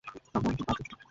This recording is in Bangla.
আমরা একদম পারফেক্ট জুটি।